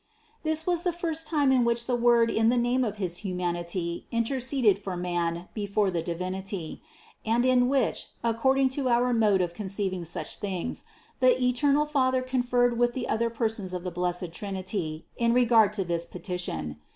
112. This was the first time in which the Word in the name of his humanity interceded for men before the Divinity, and in which, according to our mode of con ceiving such things, the eternal Father conferred with the other Persons of the blessed Trinity in regard to this petition.